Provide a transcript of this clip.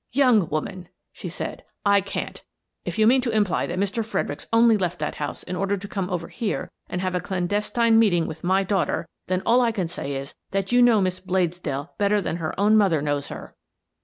" Young woman," she said, " I can't. If you mean to imply that Mr. Fredericks only left that house in order to come over here and have a clan destine meeting with my daughter, then all I can say is that you know Miss Bladesdell better than her own mother knows her."